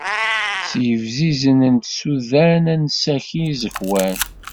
S yebzizen n tsudan ad nessaki iẓekwan.